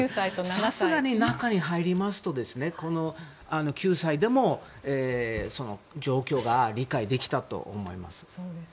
さすがに中に入りますと９歳でも状況が理解できたと思います。